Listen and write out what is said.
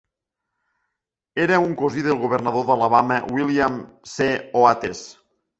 Era un cosí del governador d'Alabama William C. Oates.